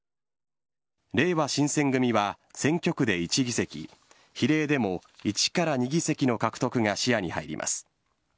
れいわ新選組は選挙区で１議席比例でも１２議席の獲得が視野に入ります。